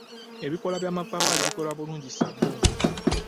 Ebikoola by’amapaapaali bikola bulungi ssabbuuni.